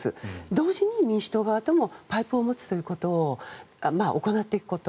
同時に民主党側ともパイプを持つということを行っていくこと。